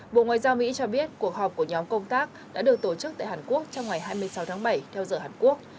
bộ ngoại giao mỹ cho biết cuộc họp của nhóm công tác đã được tổ chức tại hàn quốc trong ngày hai mươi sáu tháng bảy theo giờ hàn quốc